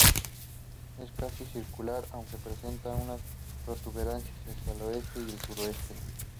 Es casi circular, aunque presenta unas protuberancias hacia el oeste y el sureste.